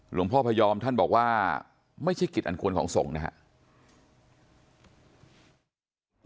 หลวงพ่อพระยอมท่านบอกว่าไม่ใช่กฤตอันควรของส่งนะฮะ